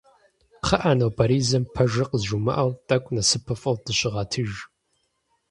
Кхъыӏэ нобэризэм пэжыр къызжумыӏэу, тӏэкӏу нэсыпыфӏэу дыщыгъэтыж.